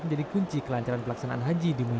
menjadi kunci kelancaran pelaksanaan haji di mina